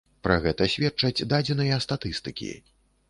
Пра гэта сведчаць дадзеныя статыстыкі.